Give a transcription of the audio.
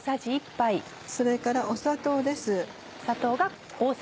それから砂糖です。